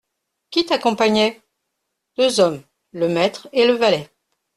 Qui t'accompagnait ? Deux hommes : le maître et le valet.